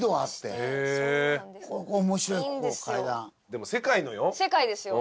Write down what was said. でも「世界の」よ？